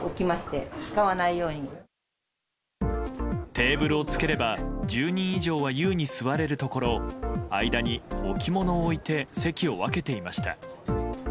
テーブルをつければ１０人以上は優に座れるところ間に置き物を置いて席を分けていました。